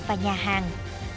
và nhà hàng